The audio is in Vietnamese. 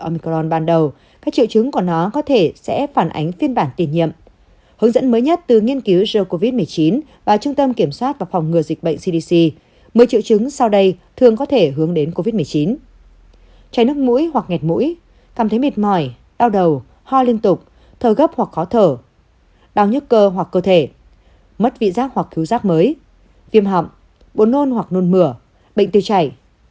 mất vị giác hoặc cứu giác mới viêm họng bồn nôn hoặc nôn mửa bệnh tiêu chảy